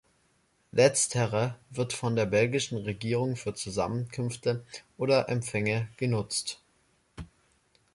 Letztere wird von der belgischen Regierung für Zusammenkünfte oder Empfänge genutzt.